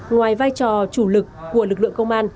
ngoài vai trò chủ lực của lực lượng công an